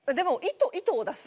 「糸を出す」！